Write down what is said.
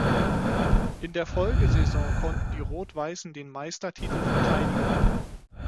In der Folgesaison konnten die Rot-Weißen den Meistertitel verteidigen.